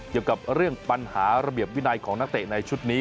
เกี่ยวกับเรื่องปัญหาระเบียบวินัยของนักเตะในชุดนี้